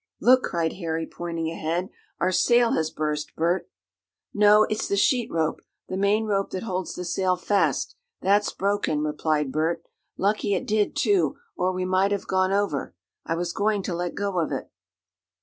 "Look!" cried Harry pointing ahead "Our sail has burst, Bert." "No, it's the sheet rope the main rope that holds the sail fast that's broken," replied Bert. "Lucky it did, too, or we might have gone over. I was going to let go of it."